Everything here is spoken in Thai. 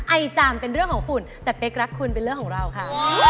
ไอจามเป็นเรื่องของฝุ่นแต่เป๊กรักคุณเป็นเรื่องของเราค่ะ